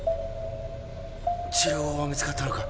治療法が見つかったのか？